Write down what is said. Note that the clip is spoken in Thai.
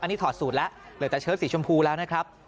นี่ถอดสูตรแล้วเหลือแต่เชิดสีชมพูแล้วนะครับ